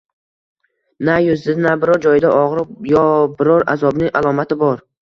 Na yuzida, na biror joyida og`riq yo biror azobning alomati bor